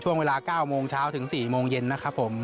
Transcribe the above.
ช่วงเวลา๙โมงเช้าถึง๔โมงเย็นนะครับผม